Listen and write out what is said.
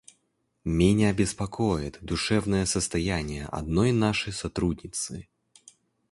Меня беспокоит душевное состояние одной нашей сотрудницы.